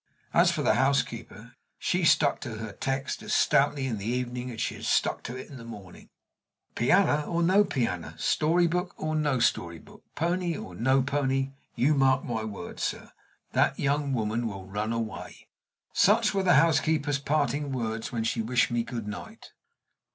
As for the housekeeper, she stuck to her text as stoutly in the evening as she had stuck to it in the morning. "Pianner or no pianner, story book or no story book, pony or no pony, you mark my words, sir that young woman will run away." Such were the housekeeper's parting words when she wished me good night.